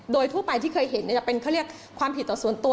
โดยทั่วไปที่เคยเห็นจะเป็นเขาเรียกความผิดต่อส่วนตัว